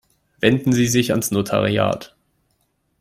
Wenden Sie sich ans Notariat.